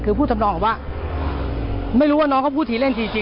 คือพูดทำนองว่าไม่รู้ว่าน้องเขาพูดทีเล่นทีจริง